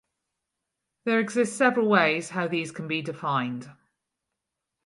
There exists several ways how these can be defined.